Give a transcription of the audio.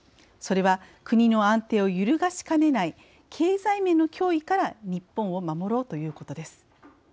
それは国の安定を揺るがしかねない経済面の脅威から日本を守ろうということです。